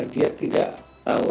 dia tidak tahu